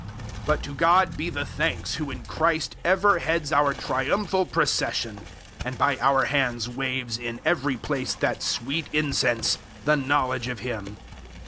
002:014 But to God be the thanks who in Christ ever heads our triumphal procession, and by our hands waves in every place that sweet incense, the knowledge of Him.